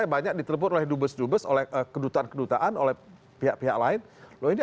bandar sekali lagi